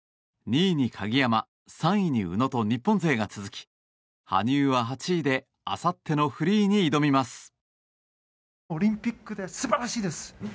２位に鍵山、３位に宇野と日本勢が続き羽生は８位であさってのフリーに挑みます。